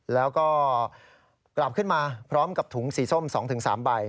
แล้วก็กลับขึ้นมาพร้อมกับถุงสีส้ม๒๓ใบ